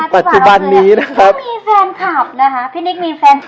ปัจจุบันนี้นะครับมีแฟนคลับนะคะพี่นิกมีแฟนคลับ